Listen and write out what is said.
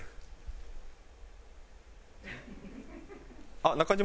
あっ中島